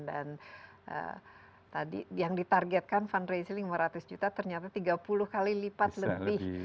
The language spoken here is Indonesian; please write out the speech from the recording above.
dan tadi yang ditargetkan fundraising lima ratus juta ternyata tiga puluh kali lipat lebih